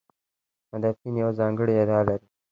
مدافعین یوه ځانګړې ادعا لري.